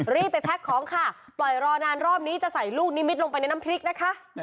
รีบไปแพ็คของค่ะปล่อยรอนานรอบนี้จะใส่ลูกนิมิตลงไปในน้ำพริกนะคะ